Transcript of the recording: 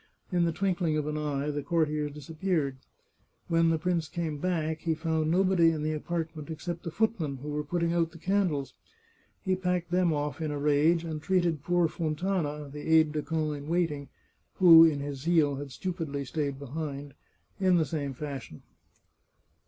In the twinkling of an eye the courtiers disappeared. When the prince came back, he found nobody in the apartment except the footmen, who were putting out the candles. He packed them off in a rage, and treated poor Fontana, the aide de camp in wait ing, who, in his zeal, had stupidly stayed behind, in the same fashion.